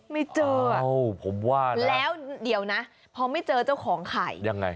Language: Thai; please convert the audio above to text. ไม่เจอโอ้ผมว่าแล้วเดี๋ยวนะพอไม่เจอเจ้าของไข่ยังไง